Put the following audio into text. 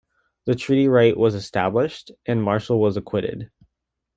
The treaty right was established, and Marshall was acquitted.